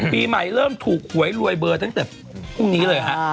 ปีใหม่เริ่มถูกหวยรวยเบอร์ตั้งแต่พรุ่งนี้เลยฮะ